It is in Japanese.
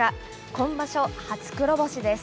今場所、初黒星です。